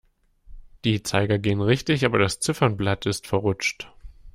Die Zeiger gehen richtig, aber das Ziffernblatt ist verrutscht.